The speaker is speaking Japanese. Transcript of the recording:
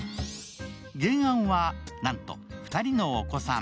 原案は、なんと２人のお子さん。